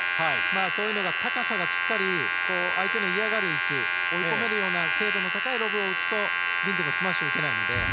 そういう高さがしっかり相手の嫌がる位置追い込めるような精度の高いロブを打つとギンティンもスマッシュを打てないので。